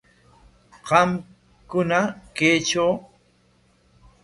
Qamkuna kaytraw hamakuyay.